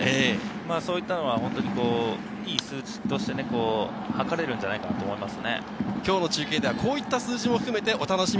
そういったことはいい数値として書かれるんじゃないかと思います。